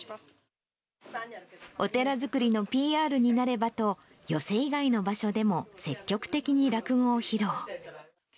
お寺づくりのＰＲになればと、寄席以外の場所でも積極的に落語を披露。